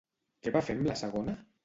Què va fer amb la segona?